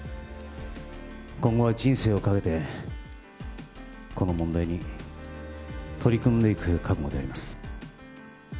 今後は人生をかけてこの問題に取り組んでいく覚悟であります。